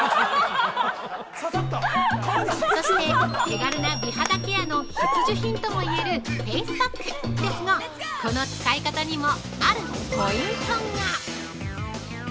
そして、手軽な美肌ケアの必需品ともいえるフェイスパックですがこの使い方にもあるポイントが！